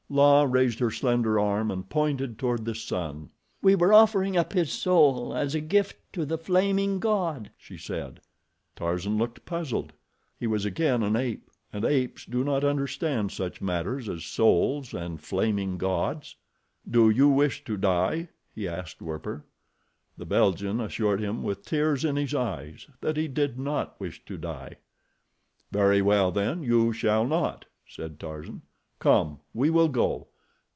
La raised her slender arm and pointed toward the sun. "We were offering up his soul as a gift to the Flaming God," she said. Tarzan looked puzzled. He was again an ape, and apes do not understand such matters as souls and Flaming Gods. "Do you wish to die?" he asked Werper. The Belgian assured him, with tears in his eyes, that he did not wish to die. "Very well then, you shall not," said Tarzan. "Come! We will go.